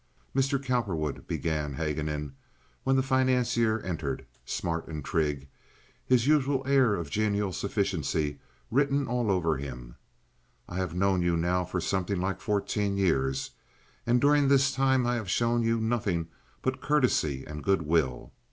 "Mr. Cowperwood," began Haguenin, when the financier entered, smart and trig, his usual air of genial sufficiency written all over him, "I have known you now for something like fourteen years, and during this time I have shown you nothing but courtesy and good will.